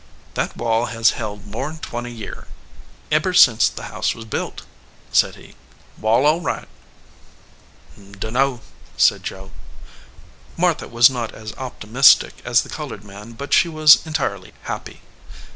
"That wall has held more n twenty year eber since the house was built," said he. "Wall all right." "Dunno," said Joe. Martha was not as optimistic as the colored man, but she was entirely happy.